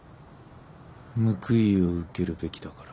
報いを受けるべきだから。